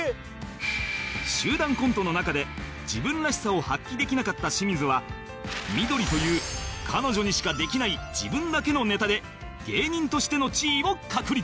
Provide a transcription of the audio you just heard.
集団コントの中で自分らしさを発揮できなかった清水はミドリという彼女にしかできない自分だけのネタで芸人としての地位を確立